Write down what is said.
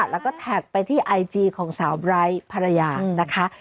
แล้วก็แท็กไปที่ไอจีของสาวไบร์ทภรรยานะคะ